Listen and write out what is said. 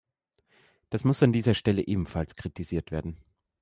Das muss an dieser Stelle ebenfalls kritisiert werden.